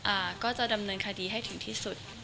อ่าก็จะดำเนินคดีให้ถึงที่สุด